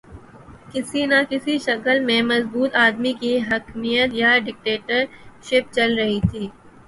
کسی نہ کسی شکل میں مضبوط آدمی کی حاکمیت یا ڈکٹیٹرشپ چل رہی تھی۔